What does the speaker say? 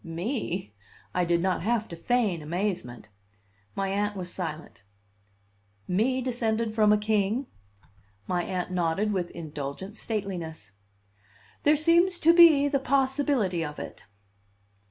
"Me!" I did not have to feign amazement. My Aunt was silent. "Me descended from a king?" My Aunt nodded with an indulgent stateliness. "There seems to be the possibility of it."